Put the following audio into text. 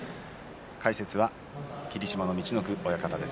解説は霧島の陸奥親方です。